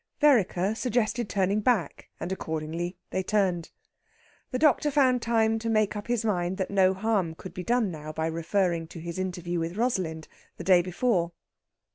Vereker suggested turning back; and, accordingly, they turned. The doctor found time to make up his mind that no harm could be done now by referring to his interview with Rosalind, the day before.